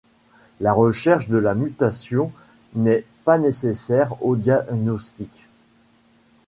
La recherche de la mutation n’est pas nécessaire au diagnostic.